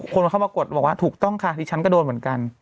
คนเข้ามากดบอกว่าถูกต้องค่ะดิฉันก็โดนเหมือนกัน